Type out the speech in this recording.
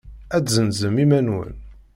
Ad tezzenzem iman-nwen.